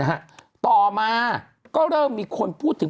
ฮะต่อมาก็เริ่มมีคนพูดถึง